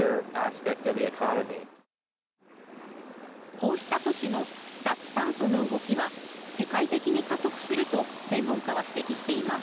こうした都市の脱炭素の動きは世界的に加速すると専門家は指摘しています。